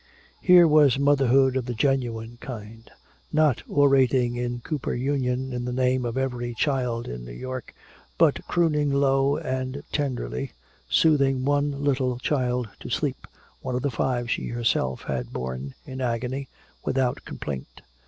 Here was motherhood of the genuine kind, not orating in Cooper Union in the name of every child in New York, but crooning low and tenderly, soothing one little child to sleep, one of the five she herself had borne, in agony, without complaint.